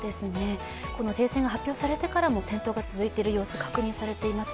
この停戦が発表されてからも戦闘が続いている様子確認されています。